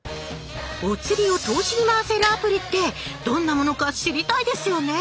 おつりを投資に回せるアプリってどんなものか知りたいですよね？